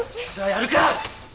やるか！